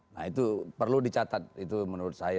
nah itu perlu dicatat itu menurut saya